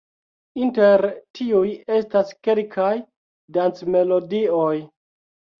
Inter tiuj estas kelkaj dancmelodioj.